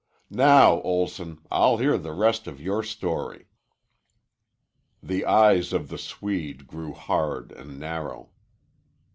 "Now, Olson, I'll hear the rest of your story." The eyes of the Swede grew hard and narrow.